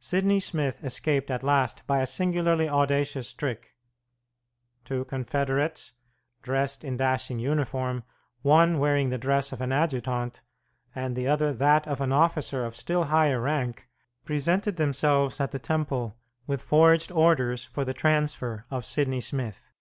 Sidney Smith escaped at last by a singularly audacious trick. Two confederates, dressed in dashing uniform, one wearing the dress of an adjutant, and the other that of an officer of still higher rank, presented themselves at the Temple with forged orders for the transfer of Sidney Smith.